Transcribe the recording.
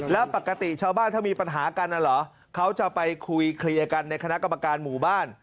แล้วปกติชาวบ้านถ้ามีปัญหากันเหรอเขาจะไปคุยเคลียร์กันในคณะกรรมการหมู่บ้าน